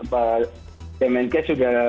pak pmnk sudah